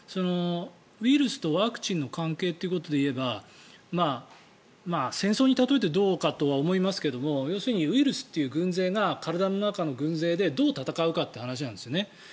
ウイルスとワクチンの関係ということで言えば戦争に例えてどうかと思いますけども要するに、ウイルスという軍勢が体の中の軍勢でどう戦うかという話なんですよね。